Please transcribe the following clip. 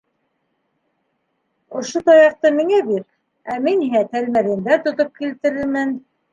Ошо таяҡты миңә бир, ә мин һиңә тәлмәрйендәр тотоп килтерермен.